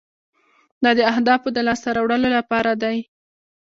دا د اهدافو د لاسته راوړلو لپاره دی.